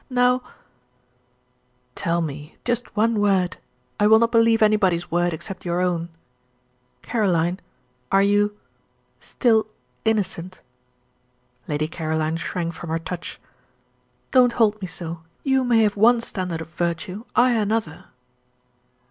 Now " "Tell me just one word I will not believe anybody's word except your own. Caroline, are you still innocent?" Lady Caroline shrank from her touch. "Don't hold me so. You may have one standard of virtue, I another."